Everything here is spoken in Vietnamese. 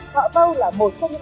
họ vâu là một trong những